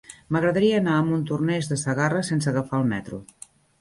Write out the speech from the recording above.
M'agradaria anar a Montornès de Segarra sense agafar el metro.